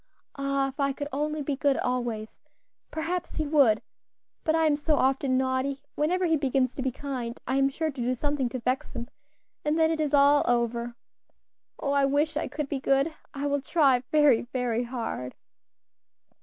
"Ah! if I could only be good always, perhaps he would; but I am so often naughty; whenever he begins to be kind I am sure to do something to vex him, and then it is all over. Oh! I wish I could be good! I will try very, very hard.